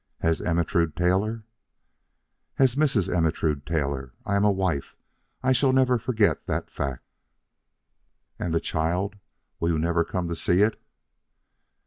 "As Ermentrude Taylor?" "As Mrs. Ermentrude Taylor. I am a wife. I shall never forget that fact." "And the child? Will you never come to see it?"